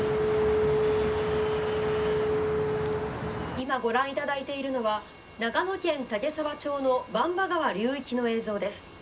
「今ご覧いただいているのは長野県岳沢町の番場川流域の映像です。